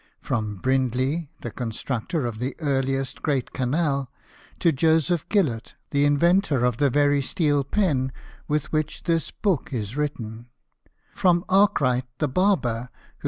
From Brindley, the constructor of the earliest great canal, to Joseph Gillott, the in ventor of the very steel pen with which this book is written ; from Arkwright the barber who 60 BIOGRAPHIES OF WORKING MEN.